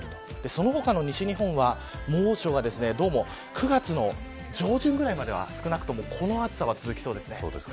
その他、西日本は猛暑が９月上旬ぐらいまでは少なくともこの暑さは続きそうです。